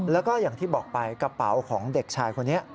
แล้วก็อย่างที่บอกไปกระเป๋าของเด็กชายคนนี้